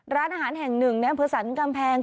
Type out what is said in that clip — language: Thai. ร้านอาหารแห่งหนึ่งในอำเภอสรรกำแพง